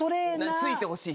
付いてほしい人。